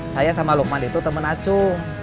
saya sama lukman itu temen acung